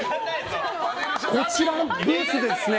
こちらのブースですね